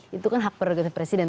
membuktikan hak peregatan presiden